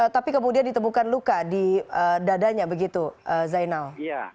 tapi kemudian ditemukan luka di dadanya begitu zainal